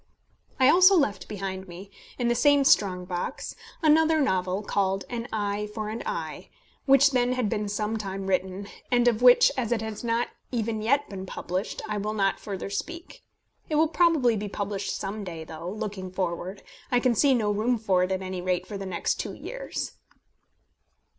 I also left behind me, in the same strong box, another novel, called An Eye for an Eye, which then had been some time written, and of which, as it has not even yet been published, I will not further speak. It will probably be published some day, though, looking forward, I can see no room for it, at any rate, for the next two years.